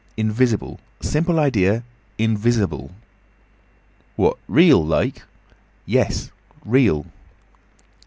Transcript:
Invisible. Simple idea. Invisible." "What, real like?" "Yes, real."